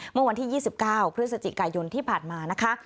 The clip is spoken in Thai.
เมื่อวันที่๒๙พฤศจิกายนที่ผ่านมานะคะ